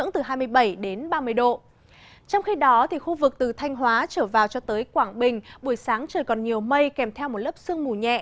trong khi đó khu vực từ thanh hóa trở vào cho tới quảng bình buổi sáng trời còn nhiều mây kèm theo một lớp sương mù nhẹ